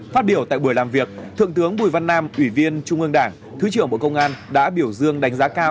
phát biểu tại buổi làm việc thượng tướng bùi văn nam ủy viên trung ương đảng thứ trưởng bộ công an đã biểu dương đánh giá cao